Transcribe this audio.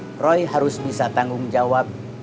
nah roy harus bisa tanggung jawab